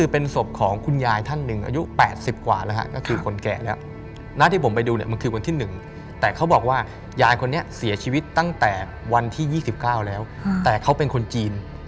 เป็นคนแก่แล้วหน้าที่ผมไปดูเนี่ยมันคือวันที่๑แต่เขาบอกว่ายายคนนี้เสียชีวิตตั้งแต่วันที่๒๙แล้วแต่เขาเป็นคนจีน